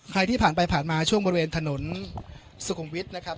ใครที่ผ่านไปผ่านมาช่วงบริเวณถนนสุขุมวิทย์นะครับ